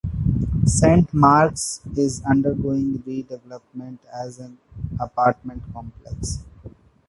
Saint Mark's is undergoing re-development as an apartment complex.